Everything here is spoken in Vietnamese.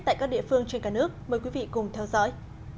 tại các địa phương trên cả nước mời quý vị cùng theo dõi